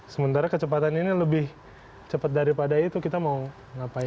sementara kecepatan ini lebih cepat daripada itu kita mau ngapain